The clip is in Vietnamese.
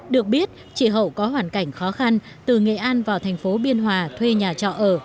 được biết chị hậu có hoàn cảnh khó khăn từ nghệ an vào thành phố biên hòa thuê nhà trọ ở